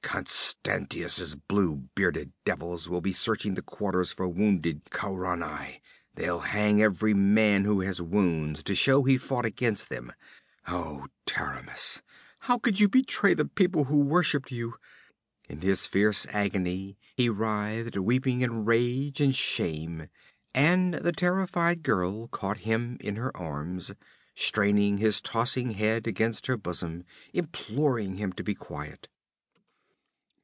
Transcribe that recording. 'Constantius's blue bearded devils will be searching the quarters for wounded Khaurani; they'll hang every man who has wounds to show he fought against them. Oh, Taramis, how could you betray the people who worshipped you?' In his fierce agony he writhed, weeping in rage and shame, and the terrified girl caught him in her arms, straining his tossing head against her bosom, imploring him to be quiet.